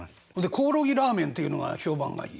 コオロギラーメンっていうのが評判がいい？